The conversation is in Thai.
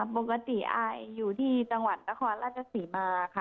ปกติอายอยู่ที่จังหวัดนครราชศรีมาค่ะ